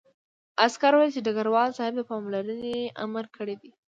عسکر وویل چې ډګروال صاحب د پاملرنې امر کړی دی